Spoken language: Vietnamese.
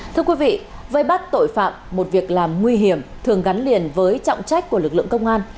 thưa quý vị vây bắt tội phạm một việc làm nguy hiểm thường gắn liền với trọng trách của lực lượng công an